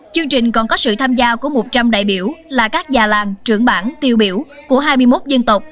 chương trình còn có sự tham gia của một trăm linh đại biểu là các già làng trưởng bản tiêu biểu của hai mươi một dân tộc